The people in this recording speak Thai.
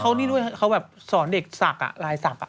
เขานี่ด้วยเขาแบบสอนเด็กศักดิ์ลายศักดิ์